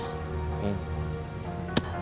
sebaiknya kambos teh ikutin saran cuy